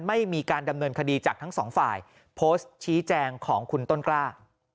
ไม่มีการดำเนินคดีจากทั้งสองฝ่ายโพสต์ชี้แจงของคุณต้นกล้า